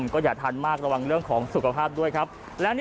ขายออนไลน์เป็นก็มาหัดกัน